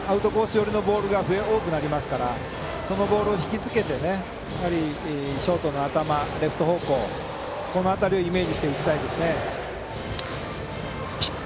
寄りのボールが多くなりますからそのボールを引きつけてショートの頭レフト方向、この辺りをイメージして打ちたいですね。